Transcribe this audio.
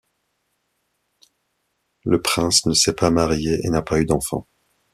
Le prince ne s'est pas marié et n'a pas eu d'enfant.